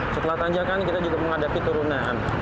setelah tanjakan kita juga menghadapi turunan